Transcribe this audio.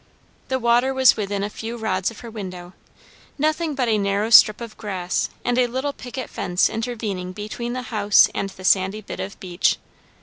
The water was within a few rods of her window; nothing but a narrow strip of grass and a little picket fence intervening between the house and the sandy bit of beach.